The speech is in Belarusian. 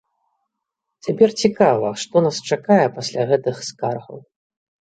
Цяпер цікава, што нас чакае пасля гэтых скаргаў.